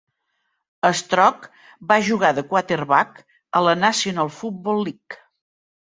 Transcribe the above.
Strock va jugar de quarterback a la National Football League.